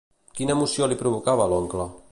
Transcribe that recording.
Quina emoció li provocava a l'oncle?